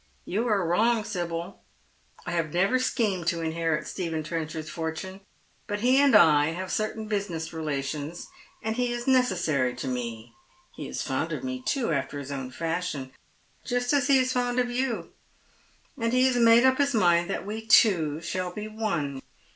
You are wrong, Sibyl. I have never schemed to inherit Stephen Trenchard's fortune ; but he and I have certain business relations, and he is necessary to me. He is fond of me too, after his own fashion — just as he is fond of you — and he has made up his mind that we two shall be one.